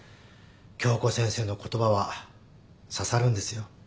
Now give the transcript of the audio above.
今日子先生の言葉は刺さるんですよああ